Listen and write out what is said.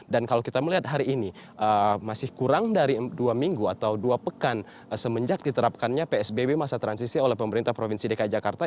dan kalau kita melihat hari ini masih kurang dari dua minggu atau dua pekan semenjak diterapkannya psbb masa transisi oleh pemerintah provinsi dki jakarta